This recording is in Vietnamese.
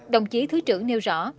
đồng chí thứ trưởng nêu rõ